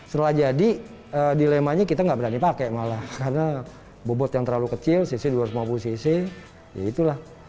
setelah jadi dilemanya kita nggak berani pakai malah karena bobot yang terlalu kecil cc dua ratus lima puluh cc ya itulah